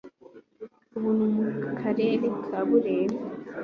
ubu ni mu Karere ka Burera.